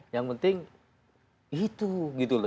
yang penting itu gitu loh